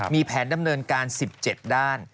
มีแผนดำเนินการ๑๗ด้าน